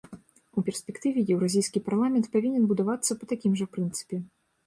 У перспектыве еўразійскі парламент павінен будавацца па такім жа прынцыпе.